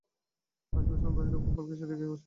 আসিবার সময়ও বাহিরে গোপালকে সে দেখিয়া আসিয়াছে।